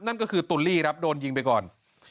นั่นก็คือตุ่นลี่โดนยิงไปก่อน